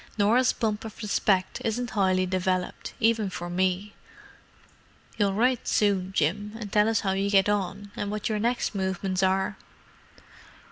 "Norah's bump of respect isn't highly developed, even for me. You'll write soon, Jim, and tell us how you get on—and what your next movements are."